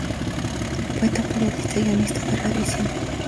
Poeta, periodista y guionista de radio y cine.